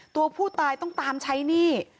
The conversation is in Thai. ตัวผู้ตายต้องตามใช้หนี้